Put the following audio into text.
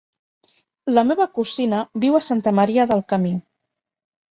La meva cosina viu a Santa Maria del Camí.